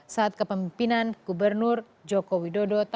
saat kepemimpinan gubernur jokowi